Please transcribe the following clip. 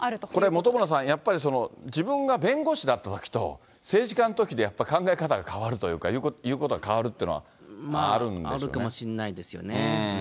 本村さん、やっぱり自分が弁護士だったときと、政治家のときでやっぱり考え方が変わるというか、言うことが変わるっていうのはあるんでしょうね。